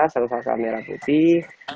selesai merah putih